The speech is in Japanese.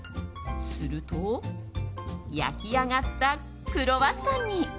すると焼き上がったクロワッサンに。